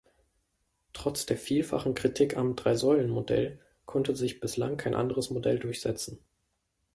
Trotz der vielfachen Kritik am Drei-Säulen-Modell konnte sich bislang kein anderes Modell durchsetzen.